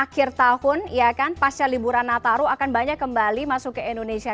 akhir tahun ya kan pasca liburan nataru akan banyak kembali masuk ke indonesia